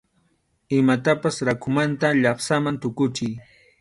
Imatapas rakhumanta llapsaman tukuchiy.